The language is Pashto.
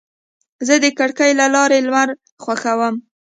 زه د کړکۍ له لارې لمر خوښوم.